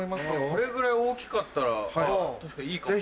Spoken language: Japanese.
これぐらい大きかったら確かにいいかも。